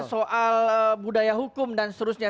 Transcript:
soal budaya hukum dan seterusnya